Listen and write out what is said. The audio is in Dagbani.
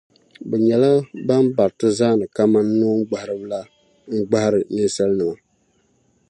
Bɛ nyɛla bɛn bariti zana kaman nooŋgbahiriba la n-gbahiri ninsalinima.